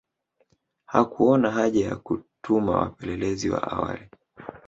Hakuona haja ya kutuma wapelelezi wa awali